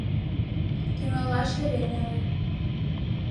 Тӱҥалаш эре неле.